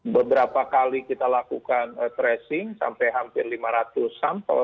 beberapa kali kita lakukan tracing sampai hampir lima ratus sampel